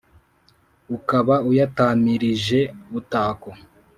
Ukaba uyatamiirje butako